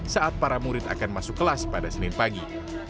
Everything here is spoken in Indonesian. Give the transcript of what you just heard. saat para murid akan masuk kelas pada senin pagi